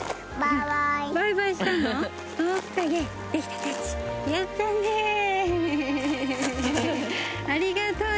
ありがとう！